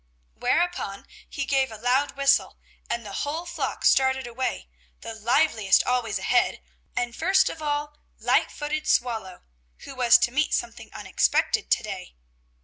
Whereupon he gave a loud whistle, and the whole flock started away, the liveliest always ahead, and first of all light footed Swallow, who was to meet something unexpected to day.